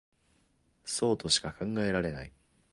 そうとしか考えられない